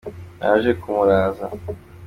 naje kumuraza.